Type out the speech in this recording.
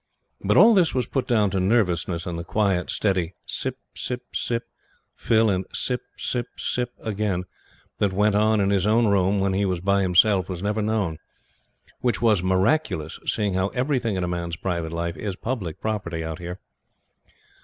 But all this was put down to nervousness, and the quiet, steady, "sip sip sip, fill and sip sip sip, again," that went on in his own room when he was by himself, was never known. Which was miraculous, seeing how everything in a man's private life is public property out here.